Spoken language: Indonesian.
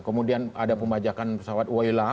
kemudian ada pembajakan pesawat waila